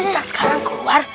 kita sekarang keluar